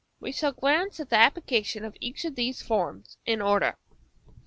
We shall glance at the applications of each of these forms in order.